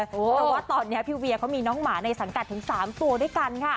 เพราะว่าตอนนี้พี่เวียเขามีน้องหมาในสังกัดถึง๓ตัวด้วยกันค่ะ